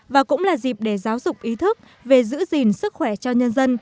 và cũng là dịp để giáo dục ý thức về giữ gìn sức khỏe cho nhân dân